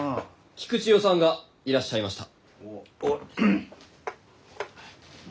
菊千代さんがいらっしゃいました。